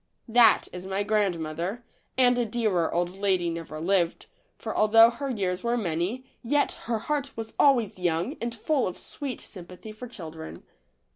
That is my grandmother, and a dearer old lady never lived, for although her years were many, yet her heart was always young and full of sweet sympathy for children.